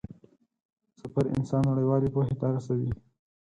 سفر انسان نړيوالې پوهې ته رسوي.